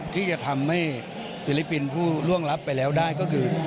ที่จะทำให้ศิลปินผู้ล่วงรับไปแล้วได้ก็คือ